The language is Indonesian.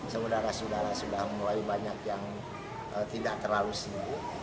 saudara saudara sudah mulai banyak yang tidak terlalu sibuk